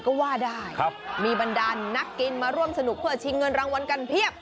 ก็ว่าได้มีบรรดานนักกินมาร่วมสนุกเพื่อชิงเงินรางวัลกันเพียบ